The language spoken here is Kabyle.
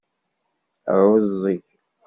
Ɛuẓẓeg.